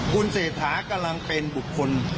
คุณเศรษฐากำลังเป็นบุคคล